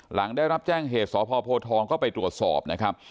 หลังได้รับแจ้งเหตุสพโพทองก็ไปตรวจสอบนะครับ